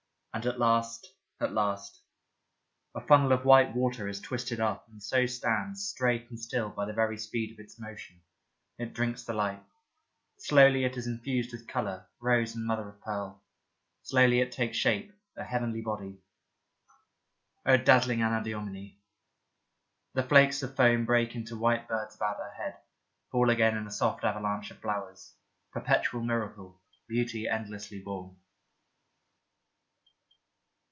And at last, at last ... A funnel of white water is twisted up and so stands, straight and still by the very speed of its motion. It drinks the light ; slowly it is infused with colour, rose and mother of pearl. Slowly it takes shape, a heavenly body. O dazzling Anadyomene ! The flakes of foam break into white birds about her head, fall again in a soft avalanche of flowers. Perpetual miracle, beauty endlessly born.